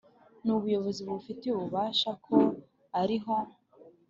n Ubuyobozi bubifitiye ububasha ko ari ho